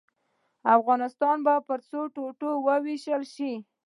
افغانستان پر څو ټوټو ووېشل شي.